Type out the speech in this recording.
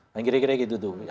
kira kira gitu tuh